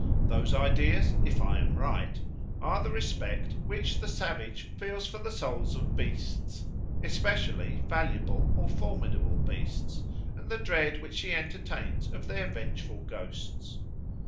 Those ideas, if I am right, are the respect which the savage feels for the souls of beasts, especially valuable or formidable beasts, and the dread which he entertains of their vengeful ghosts.